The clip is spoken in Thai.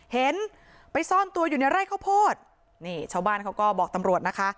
เห็นไปซ่อนตัวอยู่ในไร่ข้าวโพดนี่ชาวบ้านเขาก็บอกตำรวจนะคะ